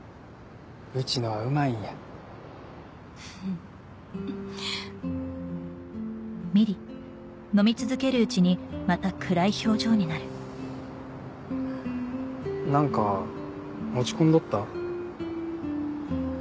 うちのはうまいんやふふっなんか落ち込んどった？